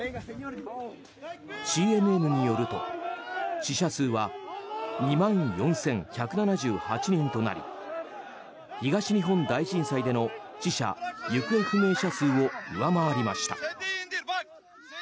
ＣＮＮによると死者数は２万４１７８人となり東日本大震災での死者・行方不明者数を上回りました。